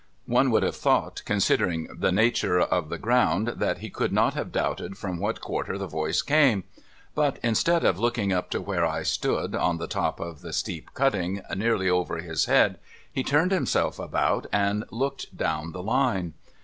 One would have thought, considering the nature of the ground, that he could not have doubted from what quarter the voice came ; but instead of looking up to where I stood on the top of the steep cutting nearly over his head, he turned himself about, and looked down the Line.